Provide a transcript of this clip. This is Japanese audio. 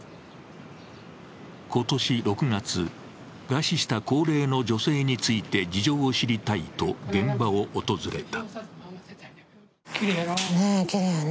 今年６月、餓死した高齢の女性について事情を知りたいと現場を訪れた。